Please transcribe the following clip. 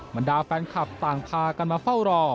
บรรดาแฟนคลับต่างพากันมาเฝ้ารอ